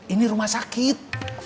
ini rumah sakit